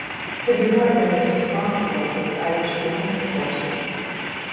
The Department is responsible for the Irish Defence Forces.